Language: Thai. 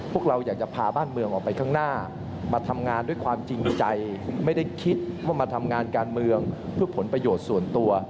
พวกเราอยากจะพาบ้านเมืองออกไปข้างหน้ามาทำงานด้วยความจริงใจไม่ได้คิดว่ามาทำงานการเมืองเพื่อผลประโยชน์ส่วนตัว